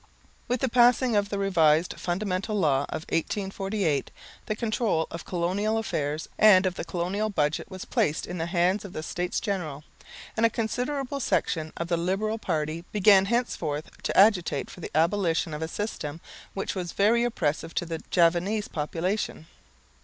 With the passing of the revised Fundamental Law of 1848 the control of colonial affairs and of the colonial budget was placed in the hands of the States General; and a considerable section of the Liberal party began henceforth to agitate for the abolition of a system which was very oppressive to the Javanese population.